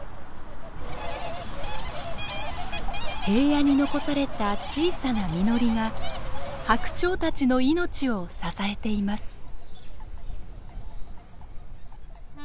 平野に残された小さな実りがハクチョウたちの命を支えています。